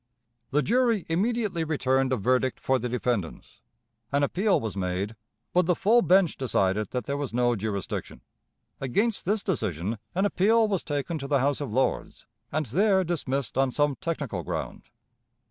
The jury immediately returned a verdict for the defendants. An appeal was made, but the full bench decided that there was no jurisdiction. Against this decision an appeal was taken to the House of Lords, and there dismissed on some technical ground.